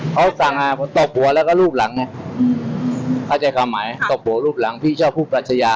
เขาสั่งอ่าผมตบหัวแล้วก็รูปหลังไงเข้าใจความหมายตบหัวรูปหลังพี่ชอบพูดปรัชญา